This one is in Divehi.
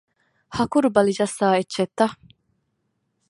ހަކުރުބަލި ޖައްސާ އެއްޗެއްތަ؟